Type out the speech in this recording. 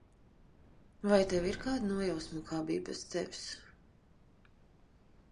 Vai tev ir kāda nojausma, kā bija bez tevis?